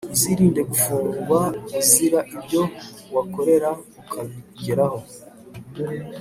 Uzirinde gufungwa uzira ibyo wakorera ukabigeraho